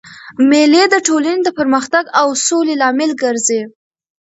مېلې د ټولني د پرمختګ او سولي لامل ګرځي.